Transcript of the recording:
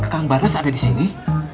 kang barnas ada di sini